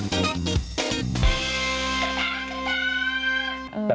ดังตา